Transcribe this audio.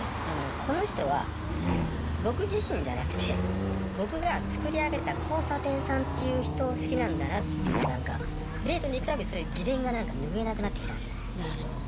この人は僕自身じゃなくて僕が作り上げた交差点さんっていう人を好きなんだなっていうなんかデートに行く度そういう疑念が拭えなくなってきたんですよね。